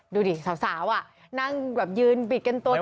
ดูดิสาวนั่งแบบยืนบิดกันตัวเดียว